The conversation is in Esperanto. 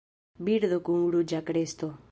Birdo kun ruĝa kresto.